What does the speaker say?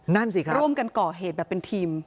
นั่นสิครับร่วมกันก่อเหตุแบบเป็นทีม